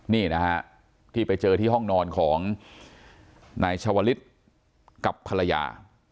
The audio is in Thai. นี่นะฮะที่ไปเจอที่ห้องนอนของนายชาวลิศกับภรรยา